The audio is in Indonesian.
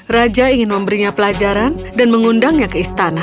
raja ingin memberinya pelajaran dan mengundangnya ke istana